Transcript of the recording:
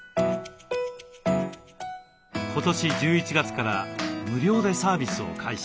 今年１１月から無料でサービスを開始。